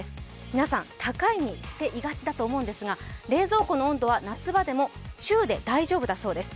皆さん高いにしていがちだと思うんですが冷蔵庫の温度は夏場でも中でも大丈夫だそうです。